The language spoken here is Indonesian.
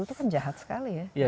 itu kan jahat sekali ya